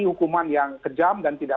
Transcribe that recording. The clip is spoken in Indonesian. hukuman yang kejam dan tidak